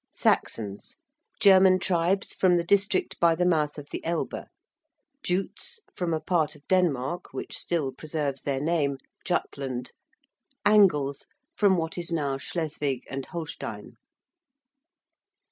~Saxons~: German tribes from the district by the mouth of the Elbe; ~Jutes~, from a part of Denmark which still preserves their name, Jutland; ~Angles~, from what is now Schleswig and Holstein.